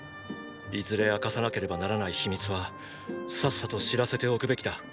いずれ明かさなければならない秘密はさっさと知らせておくべきだ。